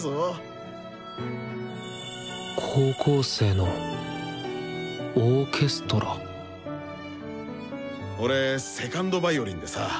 高校生のオーケストラ俺２ｎｄヴァイオリンでさ